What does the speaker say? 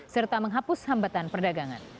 serta menghapus hambatan perdagangan